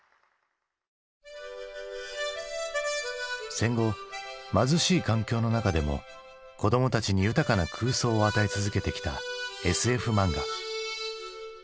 戦後貧しい環境の中でも子供たちに豊かな空想を与え続けてきたＳＦ漫画。